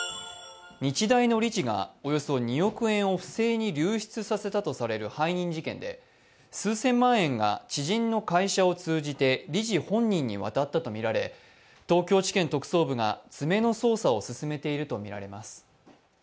日大の理事がおよそ２億円を不正に流出させたとする背任事件で、数千万円が知人の会社を通じて理事本人に渡ったとみられ、東京地検特捜部が詰めの捜査を進めているとみられます。